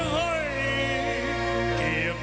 ข้ามไปโดยเอกตรงเอก